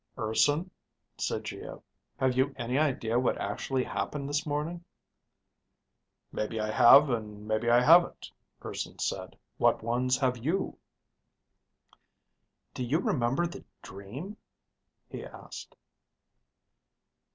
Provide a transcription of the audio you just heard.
"Urson," said Geo, "have you any idea what actually happened this morning?" "Maybe I have and maybe I haven't," Urson said. "What ones have you?" "Do you remember the dream?" he asked.